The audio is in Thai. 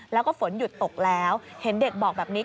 แล้วก็ฝนหยุดตกแล้วเห็นเด็กบอกแบบนี้